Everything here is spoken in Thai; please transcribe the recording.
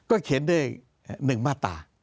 ก็เขียนดังนึงมาตา